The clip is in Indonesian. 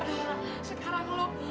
aduh sekarang lu